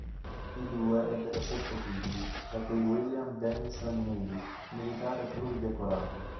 I due ebbero sette figli, fra cui William Dennison Neil, militare pluridecorato.